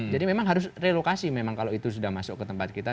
jadi memang harus relokasi memang kalau itu sudah masuk ke tempat kita